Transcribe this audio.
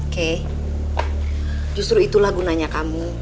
kek justru itulah gunanya kamu